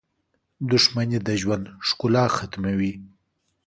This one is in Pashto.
• دښمني د ژوند ښکلا ختموي.